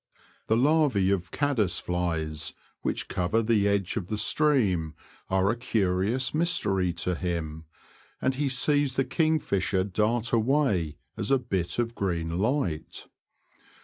The larvae of caddis flies, which cover the edge of the stream, are a curious mystery to him, and he sees the kingfisher dart away as a bit of green hght.